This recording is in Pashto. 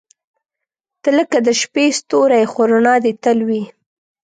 • ته لکه د شپې ستوری، خو رڼا دې تل وي.